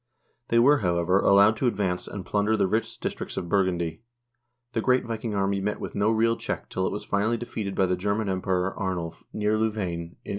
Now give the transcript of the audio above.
They were, however, allowed to advance, and plunder the rich districts of Burgundy. The great Viking army met with no real check till it was finally defeated by the German Emperor, Arnulf, near Lou vain, in 891.